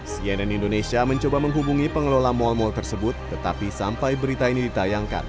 cnn indonesia mencoba menghubungi pengelola mal mal tersebut tetapi sampai berita ini ditayangkan